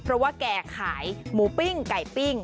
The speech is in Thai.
เพราะว่าแกขายหมูปิ้งไก่ปิ้ง